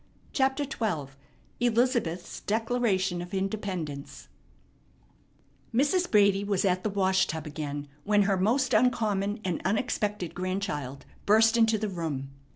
CHAPTER XII ELIZABETH'S DECLARATION OF INDEPENDENCE Mrs. Brady was at the wash tub again when her most uncommon and unexpected grandchild burst into the room.